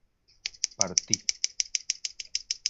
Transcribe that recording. partí